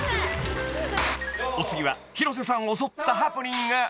［お次は広瀬さんを襲ったハプニング］